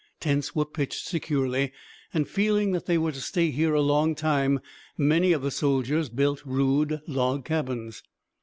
Tents were pitched securely, and, feeling that they were to stay here a long time many of the soldiers built rude log cabins.